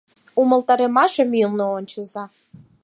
Умылтарымашым ӱлнӧ ончыза.